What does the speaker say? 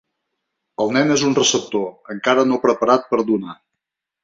El nen és un receptor, encara no preparat per donar.